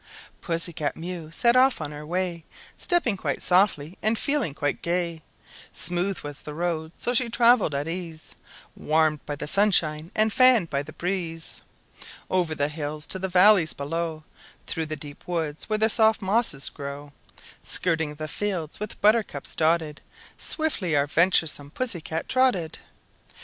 _" PUSSY CAT MEW set off on her way, Stepping quite softly and feeling quite gay. Smooth was the road, so she traveled at ease, Warmed by the sunshine and fanned by the breeze. Over the hills to the valleys below, Through the deep woods where the soft mosses grow, Skirting the fields, with buttercups dotted, Swiftly our venturesome Pussy cat trotted.